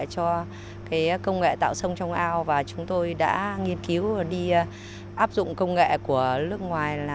cho công nghệ tạo sông trong ao và chúng tôi đã nghiên cứu đi áp dụng công nghệ của nước ngoài